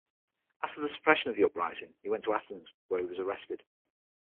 After the suppression of the uprising, he went to Athens where he was arrested.